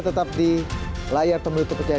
tetap di layar pemilu tau percaya